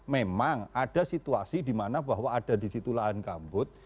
memang ada situasi di mana bahwa ada di situ lahan gambut